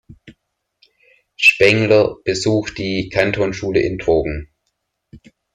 Spengler besuchte die Kantonsschule in Trogen.